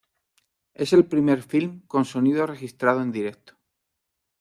Es el primer film con sonido registrado en directo.